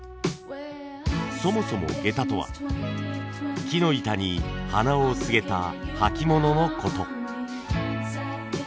そもそも下駄とは木の板に鼻緒をすげた履物の事。